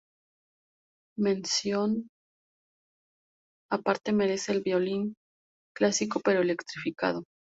Mención aparte merece el violín clásico pero electrificado.